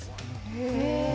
へえ。